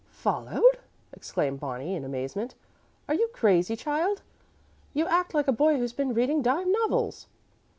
"Followed!" exclaimed Bonnie, in amazement. "Are you crazy, child? You act like a boy who's been reading dime novels."